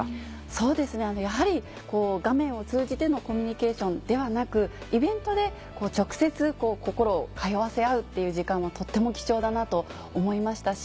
そうですねやはり画面を通じてのコミュニケーションではなくイベントで直接心を通わせ合うっていう時間はとっても貴重だなと思いましたし